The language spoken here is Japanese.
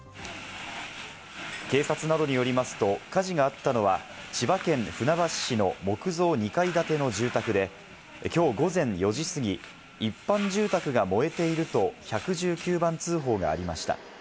警察などによりますと、火事があったのは千葉県の船橋市の木造２階建ての住宅で、きょう午前４時過ぎ、一般住宅が燃えていると１１９番通報がありました。